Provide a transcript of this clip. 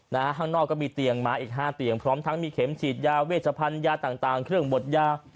ข้างนอกก็มีเตียงมาอีกห้าเตียงพร้อมทั้งมีเข็มฉีดยาเวชพันธ์ยาต่างเครื่องบดยา